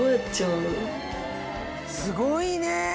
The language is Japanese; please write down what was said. すごいね！